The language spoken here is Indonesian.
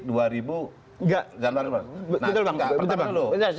tentu bang pertama dulu